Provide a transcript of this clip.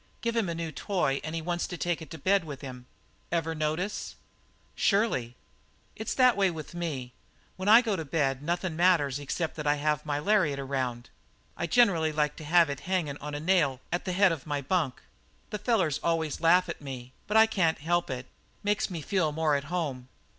Give him a new toy and he wants to take it to bed with him. Ever notice?" "Surely." "That's the way with me. When I go to bed nothin' matters with me except that I have my lariat around. I generally like to have it hangin' on a nail at the head of my bunk. The fellers always laugh at me, but I can't help it; makes me feel more at home."